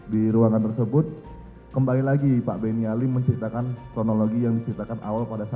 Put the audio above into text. di ruangan tersebut kembali lagi pak benny alim menceritakan kronologi yang diceritakan awal pada saat